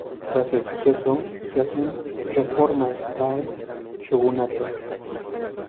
Tras el suceso, se hacen reformas al shogunato.